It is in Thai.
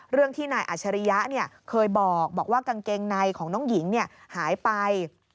เรื่องที่นายอัชริยะเคยบอกว่ากางเกงในของน้องหญิงหายไป